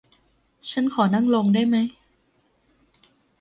ฉันขอนั่งลงได้ไหม